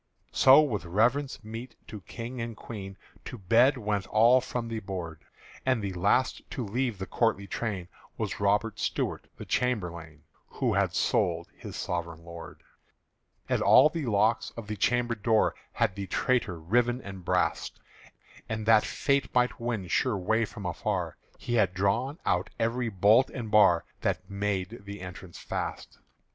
So with reverence meet to King and Queen To bed went all from the board; And the last to leave the courtly train Was Robert Stuart the chamberlain Who had sold his sovereign lord. And all the locks of the chamber door Had the traitor riven and brast; And that Fate might win sure way from afar, He had drawn out every bolt and bar That made the entrance fast.